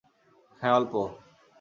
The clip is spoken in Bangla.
হ্যাঁ, অল্প।